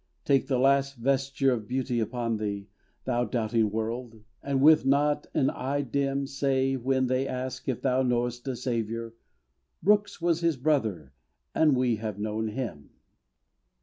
Take the last vesture of beauty upon thee, Thou doubting world; and with not an eye dim Say, when they ask if thou knowest a Saviour, "Brooks was His brother, and we have known him."